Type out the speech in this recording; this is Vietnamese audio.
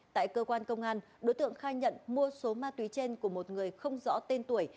tại cơ quan công an đối tượng khai nhận mua số ma túy trên của một người không rõ tên tuổi